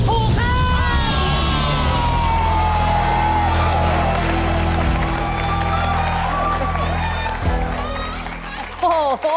โอ้โฮ